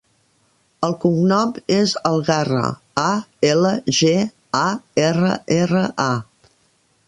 El cognom és Algarra: a, ela, ge, a, erra, erra, a.